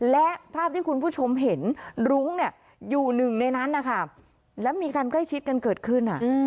และภาพที่คุณผู้ชมเห็นจุเป็นรุ้งอยู่๑ในนั้นนะและมีการชมประมาทชิดกันเกิดขึ้นน่ะ